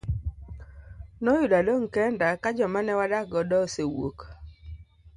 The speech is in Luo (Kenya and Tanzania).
Noyudo adong' kenda ka joma ne wadak godo osewuok.